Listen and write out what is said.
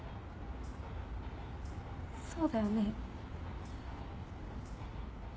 そうだよね？